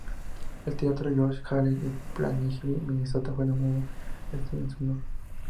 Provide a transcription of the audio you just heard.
El Teatro Jon Hassler de Plainview, Minnesota, fue nombrado así en su honor.